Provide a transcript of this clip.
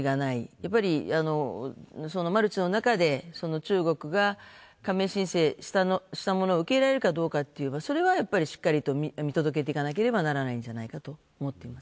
やっぱり、マルチの中で中国が加盟申請したものを受け入れられるかどうかっていうのはそれはやっぱりしっかり見届けていかなければいけないんじゃないかと。